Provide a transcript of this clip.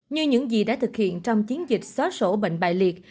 như những gì đã thực hiện trong chiến dịch xóa sổ bệnh bài liệt